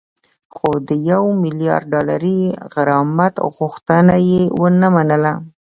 خو د یو میلیارد ډالري غرامت غوښتنه یې ونه منله